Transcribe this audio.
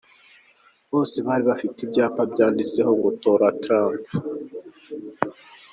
Bose bari bafite ibyapa byanditseho ngo “ Tora Trump”.